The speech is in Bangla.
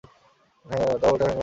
তাও, এটা হ্যাংওভারের মতোই শোনাচ্ছে।